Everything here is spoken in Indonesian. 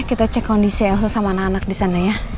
kita cek kondisi elsa sama anak anak disana ya